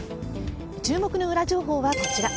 注目のウラ情報がこちら。